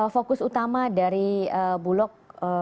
fokus utama dari bulog